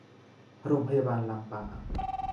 โรงพยาบาลลำปาง